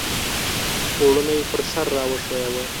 پوړنی پر سر را وښویوه !